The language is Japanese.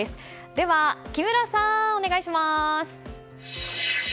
では木村さん、お願いします。